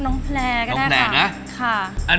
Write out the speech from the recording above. น้องแพร่ก็ได้ค่ะ